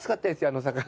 あの坂。